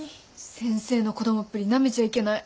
先生の子供っぷりなめちゃいけない。